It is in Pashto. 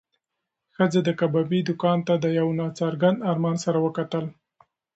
ښځې د کبابي دوکان ته د یو نا څرګند ارمان سره وکتل.